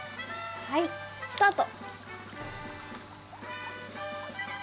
はい。スタート。